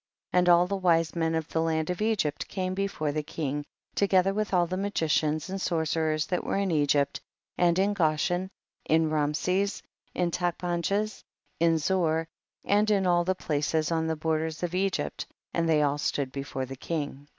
And all the wise men of the land of Egypt came before the king, together wiih all the magicians and sorcerers that were in Egypt and in Goshen, in Raamses, in Tachpanches, in Zoar, and in all the places on the borders of Egypt, and they all stood before the king.